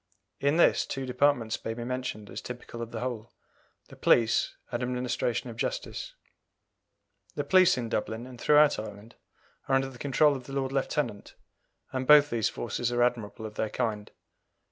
In this two departments may be mentioned as typical of the whole the police and administration of local justice. The police in Dublin and throughout Ireland are under the control of the Lord Lieutenant, and both these forces are admirable of their kind.